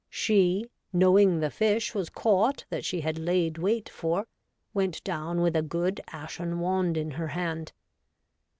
She, knowing the fish was caught that she had laid wait for, went down with a good ashen wand in her hand.